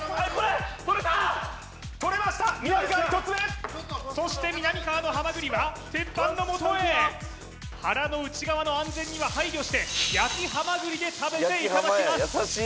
取れましたみなみかわ１つ目そしてみなみかわのハマグリは鉄板のもとへ腹の内側の安全には配慮して焼きハマグリで食べていただきます